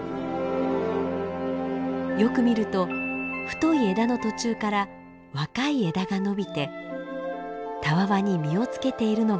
よく見ると太い枝の途中から若い枝が伸びてたわわに実をつけているのが分かります。